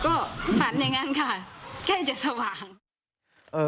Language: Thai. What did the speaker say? ก็ฝันอย่างนั้นค่ะแค่จะสว่างเอ่อ